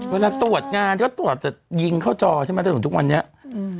เวลาตรวจงานก็ตรวจแต่ยิงเข้าจอใช่ไหมจนถึงทุกวันนี้อืม